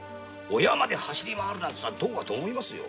親まで走り回るとはどうかと思いますよ。